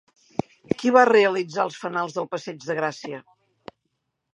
Qui va realitzar els fanals del Passeig de Gràcia?